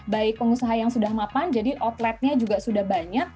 baik pengusaha yang sudah mapan jadi outletnya juga sudah banyak